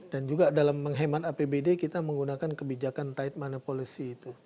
dan juga dalam menghemat apbd kita menggunakan kebijakan tight monopolies itu